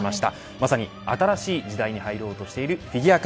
まさに新しい時代に入ろうとしているフィギュア界。